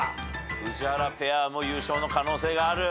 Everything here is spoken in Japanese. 宇治原ペアも優勝の可能性がある。